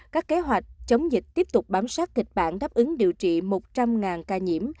các kế hoạch chống dịch tiếp tục bám sát kịch bản đáp ứng điều trị một trăm linh ca nhiễm